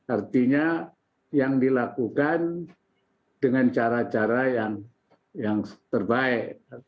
artinya yang dilakukan dengan cara cara yang terbaik